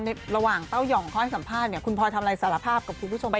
มองมอนระหว่างเต้าย่องคอยสัมภาษณ์คุณพลอะไรสารภาพกับผู้ผู้ชม